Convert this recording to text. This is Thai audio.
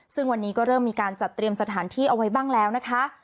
ซึ่งวันนี้ก็เริ่มมีการจัดเตรียมสถานที่เอาไว้บ้างแล้วนะคะ